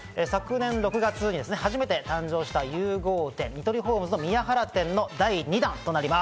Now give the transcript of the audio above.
昨年６月に初めて誕生した融合店、ニトリホームズ宮原店の第２弾となります。